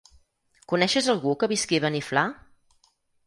Coneixes algú que visqui a Beniflà?